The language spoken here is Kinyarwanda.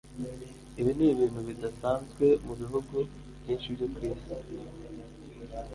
Ibi ni ibintu bidasanzwe mu bihugu byinshi byo ku isi.